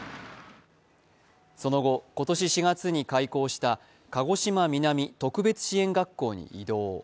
その後、今年４月に開校した鹿児島南高校に移動。